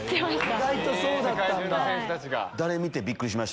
意外とそうだったんだ。